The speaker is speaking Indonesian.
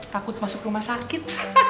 takut masuk rumah sakit